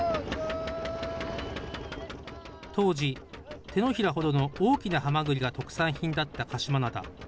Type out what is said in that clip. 当時、手のひらほどの大きなハマグリが特産品だった鹿島灘。